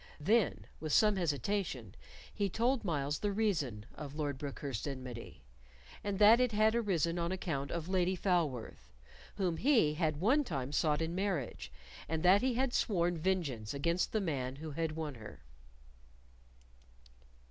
Then, with some hesitation, he told Myles the reason of Lord Brookhurst's enmity, and that it had arisen on account of Lady Falworth, whom he had one time sought in marriage, and that he had sworn vengeance against the man who had won her.